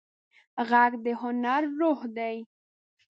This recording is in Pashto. غږ د هنر روح دی